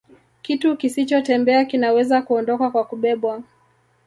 Kitu kisichotembea kinaweza kuondoka kwa kubebwa